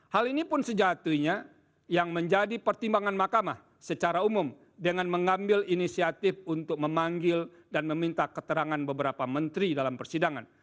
hal ini pun sejatinya yang menjadi pertimbangan mahkamah secara umum dengan mengambil inisiatif untuk memanggil dan meminta keterangan beberapa menteri dalam persidangan